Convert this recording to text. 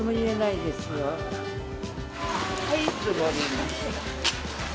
はい、つもりました。